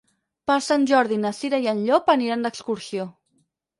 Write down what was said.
Per Sant Jordi na Cira i en Llop aniran d'excursió.